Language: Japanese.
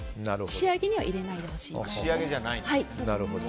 仕上げには入れないでほしいです。